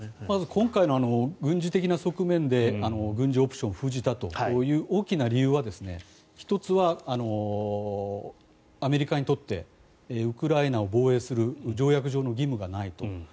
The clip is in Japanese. まず今回の軍事的な側面で軍事オプションを封じたという大きな理由は１つはアメリカにとってウクライナを防衛する条約上の義務がないと。